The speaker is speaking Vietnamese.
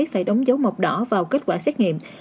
phải đóng dấu màu đỏ vào kết quả xét nghiệm